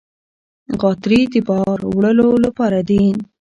غاتري د بار وړلو لپاره دي.